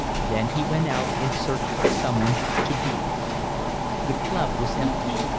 Then he went out in search of someone to be with. The club was empty.